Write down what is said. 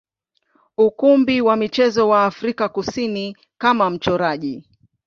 ukumbi wa michezo wa Afrika Kusini kama mchoraji.